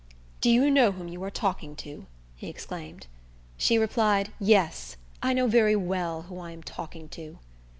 "Do you know whom you are talking to?" he exclaimed. She replied, "Yes, I know very well who I am talking to."